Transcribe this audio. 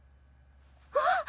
あっ！